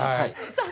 さあ